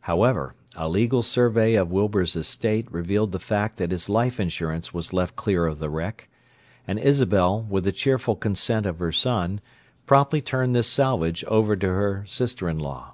However, a legal survey of Wilbur's estate revealed the fact that his life insurance was left clear of the wreck; and Isabel, with the cheerful consent of her son, promptly turned this salvage over to her sister in law.